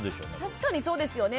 確かにそうですね。